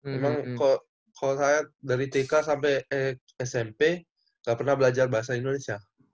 emang kalo saya dari tk sampe smp gak pernah belajar bahasa indonesia